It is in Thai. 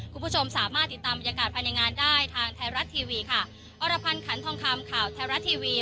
คุณผู้ชมสามารถติดตามบรรยากาศภายในงานได้ทางไทยรัฐทีวีค่ะอรพันธ์ขันทองคำข่าวแท้รัฐทีวี